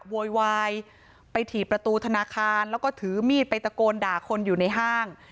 โวยวายไปถี่ประตูธนาคารแล้วก็ถือมีดไปตะโกนด่าคนอยู่ในห้าง